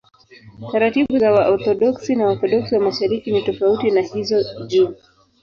Taratibu za Waorthodoksi na Waorthodoksi wa Mashariki ni tofauti na hizo juu.